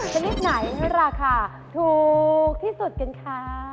ชนิดไหนราคาถูกที่สุดกันคะ